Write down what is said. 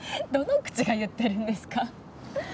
どの口が言ってるんですか？